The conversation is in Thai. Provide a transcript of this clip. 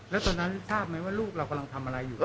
แล้วตอนนั้นทราบไหมว่าลูกเรากำลังทำอะไรอยู่